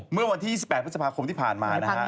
เมื่อวันที่๒๘พฤษภาคมที่ผ่านมานะฮะ